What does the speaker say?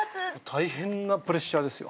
大変なプレッシャーですよ。